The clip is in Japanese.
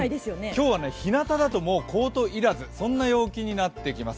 今日は日なただとコート要らず、そんな陽気になります。